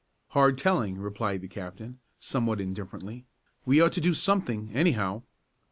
"Hard telling," replied the captain, somewhat indifferently. "We ought to do something, anyhow."